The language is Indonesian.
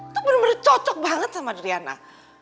itu bener bener cocok banget sama adriana